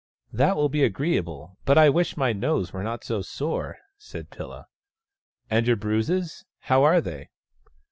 " That will be agreeable, but I wish my nose were not so sore," said Pilla. " And your bruises— how are they